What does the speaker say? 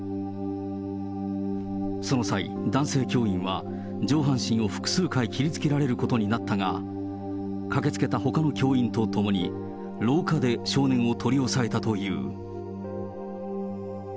その際、男性教員は上半身を複数回切りつけられることになったが、駆けつけたほかの教員と共に、廊下で少年を取り押さえたという。